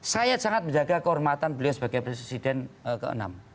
saya sangat menjaga kehormatan beliau sebagai presiden ke enam